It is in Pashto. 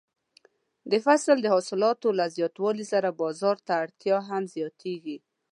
د فصل د حاصلاتو له زیاتوالي سره بازار ته اړتیا هم زیاتیږي.